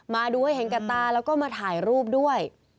มาดูให้เห็นกับตาแล้วก็มาถ่ายรูปด้วย